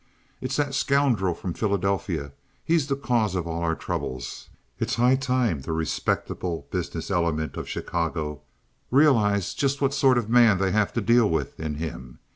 "It's that scoundrel from Philadelphia. He's the cause of all our troubles. It's high time the respectable business element of Chicago realized just what sort of a man they have to deal with in him.